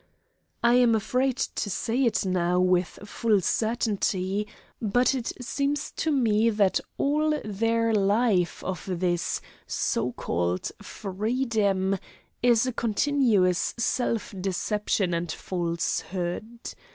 I am afraid to say it now with full certainty, but it seems to me that all their life of this so called freedom is a continuous self deception and falsehood.